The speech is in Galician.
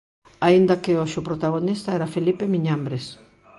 Aínda que hoxe o protagonista era Felipe Miñambres.